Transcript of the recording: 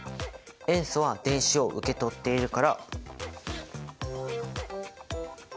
塩素は電子を受け取っているから。